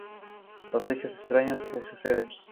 Los hechos extraños se suceden.